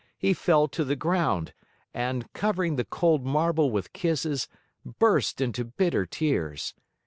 He fell to the ground and, covering the cold marble with kisses, burst into bitter tears.